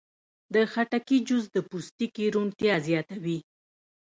د خټکي جوس د پوستکي روڼتیا زیاتوي.